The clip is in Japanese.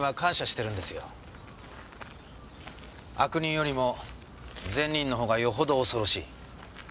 悪人よりも善人の方がよほど恐ろしい。